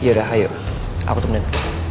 yaudah ayo aku temenin